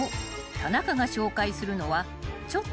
田中が紹介するのは］